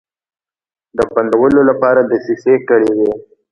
د بندولو لپاره دسیسې کړې وې.